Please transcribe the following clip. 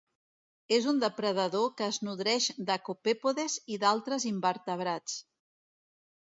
És un depredador que es nodreix de copèpodes i d'altres invertebrats.